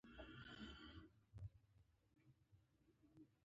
دا دندې پرمختللو هېوادونو ته انتقالېږي